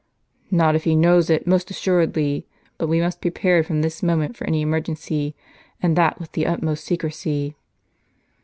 "Not if he knows it, most assuredly. But we must be prepared from this moment for any emergency ; and that with the utmost secrecy."